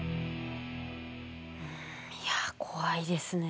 いや怖いですね。